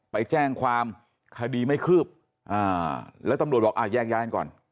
ไปแจ้งความคดีไม่คืบอ่าแล้วตำรวจบอกอ่าแยกย้ายกันก่อน